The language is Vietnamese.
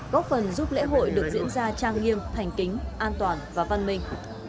góp phần giúp lễ hội được diễn ra trang nghiêm thành kính an toàn và văn minh